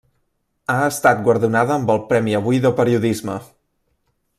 Ha estat guardonada amb el Premi Avui de Periodisme.